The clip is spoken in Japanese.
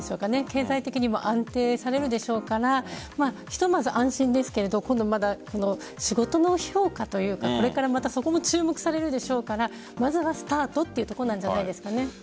経済的にも安定されるでしょうからひとまず安心ですが、今度仕事の評価というかこれからそこも注目されるでしょうからまずはスタートというところなんじゃないでしょうかね。